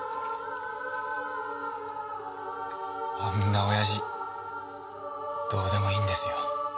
あんな親父どうでもいいんですよ。